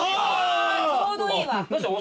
ちょうどいいわ。